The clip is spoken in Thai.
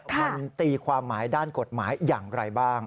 มันตีความหมายด้านกฎหมายอย่างไรบ้าง